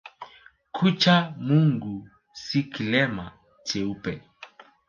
Kucha Mungu si kilemba cheupe